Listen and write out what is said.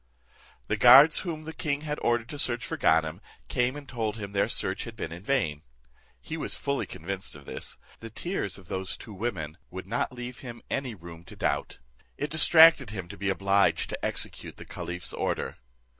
The guards whom the king had ordered to search for Ganem, came and told him their search had been vain. He was fully convinced of this; the tears of those two women would not leave him any room to doubt. It distracted him to be obliged to execute the caliph's order.